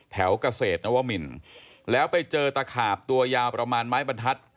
แถวเกษตรนวมินแล้วไปเจอตะขาบตัวยาวประมาณไม้บรรทัศน์